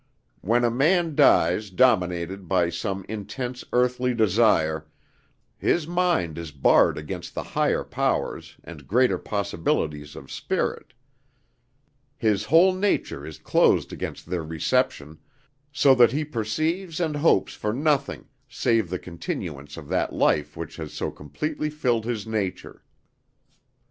When a man dies dominated by some intense earthly desire, his mind is barred against the higher powers and greater possibilities of spirit; his whole nature is closed against their reception, so that he perceives and hopes for nothing save the continuance of that life which has so completely filled his nature.